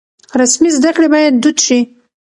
رسمي زده کړې بايد دود شي.